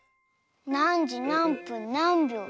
なんじなんぷんなんびょう？